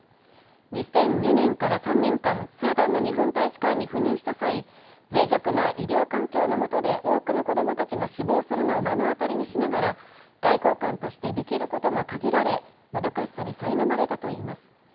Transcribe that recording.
２００２年から３年間スーダンの日本大使館に勤務した際ぜい弱な医療環境のもとで多くの子供たちが死亡するのを目の当たりにしながら外交官としてできることが限られ、もどかしさにさいなまれたといいます。